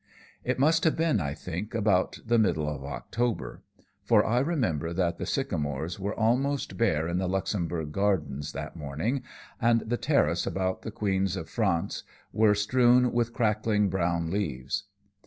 It must have been, I think, about the middle of October, for I remember that the sycamores were almost bare in the Luxembourg Gardens that morning, and the terrace about the queens of France were strewn with crackling brown leaves.